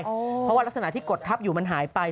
เพราะว่ารักษณะที่กดทับอยู่มันหายไป